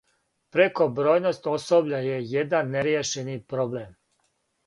Прекобројност особља је један неријешени проблем.